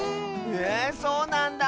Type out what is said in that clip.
へえそうなんだあ。